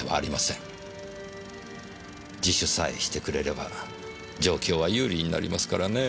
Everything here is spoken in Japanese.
自首さえしてくれれば状況は有利になりますからねぇ。